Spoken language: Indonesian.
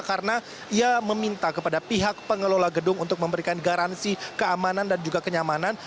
karena ia meminta kepada pihak pengelola gedung untuk memberikan garansi keamanan dan juga kenyamanan